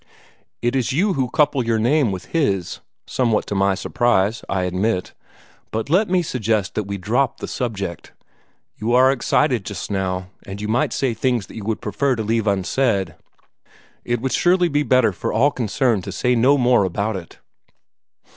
"It is you who couple your name with his somewhat to my surprise, I admit but let me suggest that we drop the subject. You are excited just now, and you might say things that you would prefer to leave unsaid. It would surely be better for all concerned to say no more about it."